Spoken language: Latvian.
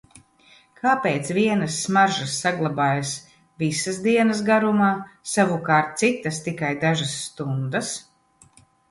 Kāpēc vienas smaržas saglabājas visas dienas garumā, savukārt citas tikai dažas stundas?